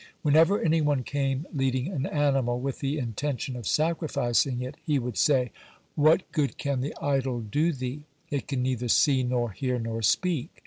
Whenever any one came leading an animal with the intention of sacrificing it, he would say: "What good can the idol do thee? It can neither see nor hear nor speak."